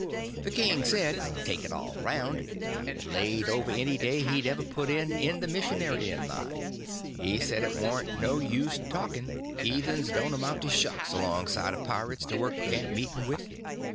The king said, take it all around, it laid over any day he'd ever put in in the missionarying line. He said it warn't no use talking, heathens don't amount to shucks alongside of pirates to work a camp meeting with.